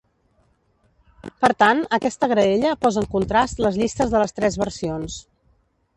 Per tant, aquesta graella posa en contrast les llistes de les tres versions.